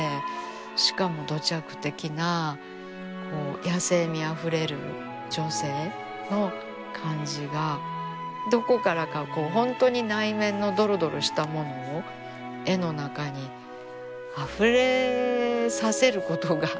しかも土着的なこう野性味あふれる女性の感じがどこからかこう本当に内面のどろどろしたものを絵の中にあふれさせることがすごいなあ。